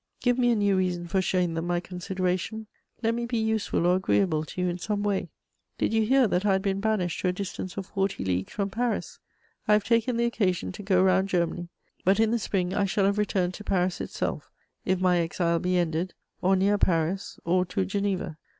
Give me a new reason for showing them my consideration: let me be useful or agreeable to you in some way. Did you hear that I had been banished to a distance of forty leagues from Paris? I have taken the occasion to go round Germany; but in the spring I shall have returned to Paris itself, if my exile be ended, or near Paris, or to Geneva.